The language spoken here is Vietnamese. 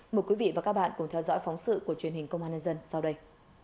mời quý vị và các bạn cùng theo dõi phóng sự của truyền hình công an nhân dân sau đây